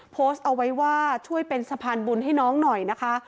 โพสต์เอาไว้ว่าช่วยเป็นสะพานบุญให้น้องหน่อยนะคะ